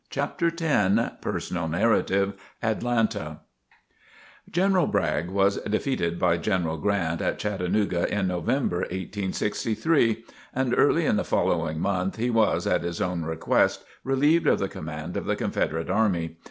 CHAPTER X PERSONAL NARRATIVE ATLANTA General Bragg was defeated by General Grant at Chattanooga in November 1863, and early in the following month he was, at his own request, relieved of the command of the Confederate army.